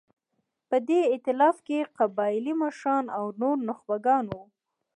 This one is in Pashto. په دې اېتلاف کې قبایلي مشران او نور نخبګان وو.